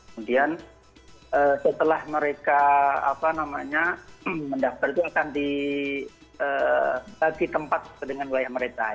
kemudian setelah mereka apa namanya mendaftar itu akan di bagi tempat dengan wilayah mereka ya